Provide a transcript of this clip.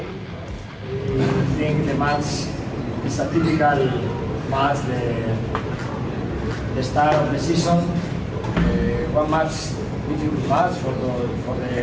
hanya satu perubahan pertama tapi ini adalah sebuah bola